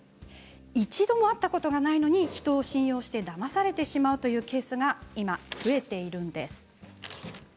一度も会ったことがないのに人を信用してだまされてしまうケースが今、増えているんです。